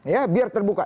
ya biar terbuka